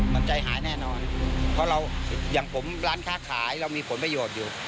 มันใจหายแน่นอนเพราะเราอย่างผมร้านค้าขายเรามีผลประโยชน์อยู่